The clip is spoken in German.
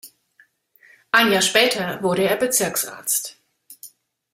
Ein Jahr später wurde er Bezirksarzt.